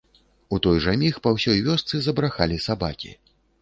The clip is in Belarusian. У той жа міг па ўсёй вёсцы забрахалі сабакі.